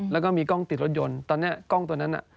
แล้วก็มีกล้องติดรถยนต์ตอนนี้กล้องตัวนั้นน่ะ